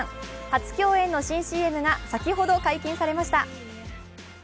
初共演の新ＣＭが先ほど解禁されました。